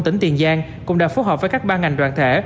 tỉnh tiền giang cũng đã phối hợp với các ban ngành đoàn thể